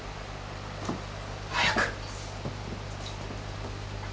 早く。